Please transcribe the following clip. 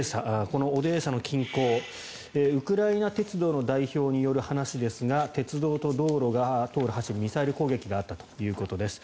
このオデーサの近郊ウクライナ鉄道の代表による話ですが鉄道と道路が通る橋にミサイル攻撃があったということです。